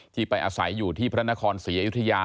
ไปอาศัยอยู่ที่พระนครศรีอยุธยา